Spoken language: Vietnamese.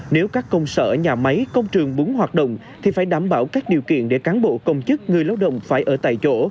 nếu các công sở nhà máy công trường muốn hoạt động thì phải đảm bảo các điều kiện để cán bộ công chức người lao động phải ở tại chỗ